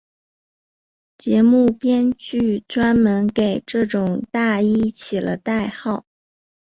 节目编剧专门给这种大衣起了代号。